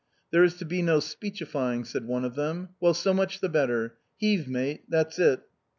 " There is to be no speechifying," said one of them. "Well, so much the better. Heave, mate, that's it."